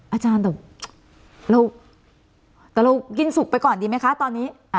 อาจารย์แต่เรากินสุกไปก่อนดีไหมคะตอนนี้